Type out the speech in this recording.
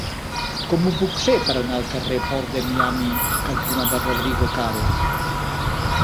Com ho puc fer per anar al carrer Port de Miami cantonada Rodrigo Caro?